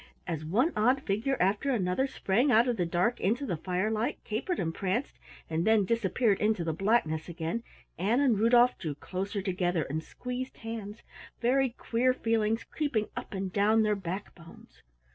As one odd figure after another sprang out of the dark into the firelight, capered and pranced, and then disappeared into the blackness again, Ann and Rudolf drew closer together and squeezed hands, very queer feelings creeping up and down their back bones.